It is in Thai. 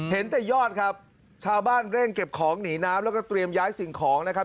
เห็นแต่ยอดครับชาวบ้านเร่งเก็บของหนีน้ำแล้วก็เตรียมย้ายสิ่งของนะครับ